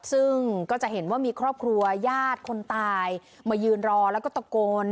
ซึ่งก็จะเห็นว่ามีครอบครัวญาติคนตายมายืนรอแล้วก็ตะโกน